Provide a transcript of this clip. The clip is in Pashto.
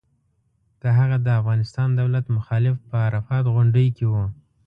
که هغه د افغانستان دولت مخالف په عرفات غونډۍ کې و.